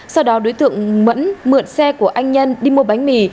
sau đó đối tượng mẫn mượn xe của anh nhân đi mua bánh mì